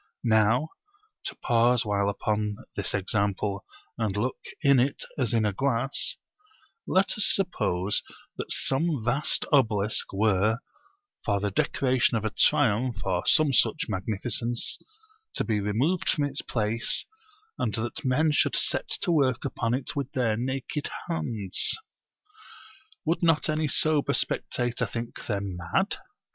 Now (to pause while upon this example and look in it as in a glass) let us suppose that some vast obelisk were (for the decoration of a triumph or some such magnificence) to be removed from its place, and that men should set to work upon it with their naked hands; would not any sober spectator think them mad?